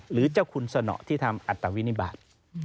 หรือเจ้าคุณสนอที่ทำอัตวินิบาท